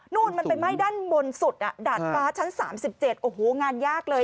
นู่นมันไปไหม้ด้านบนสุดดาดฟ้าชั้น๓๗โอ้โหงานยากเลย